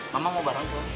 mama mau bareng gue